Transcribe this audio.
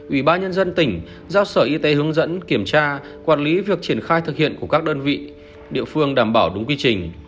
ủy ban nhân dân tỉnh giao sở y tế hướng dẫn kiểm tra quản lý việc triển khai thực hiện của các đơn vị địa phương đảm bảo đúng quy trình